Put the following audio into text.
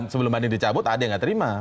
sebelum banding dicabut ada yang nggak terima